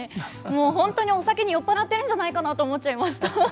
もうホントにお酒に酔っ払ってるんじゃないかなと思っちゃいました。